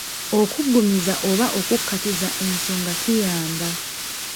Okuggumiza oba okukkaatiriza ensonga kiyamba.